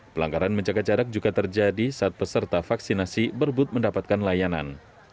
pelanggaran menjaga jarak juga terjadi saat peserta vaksinasi berbut mendapatkan layanan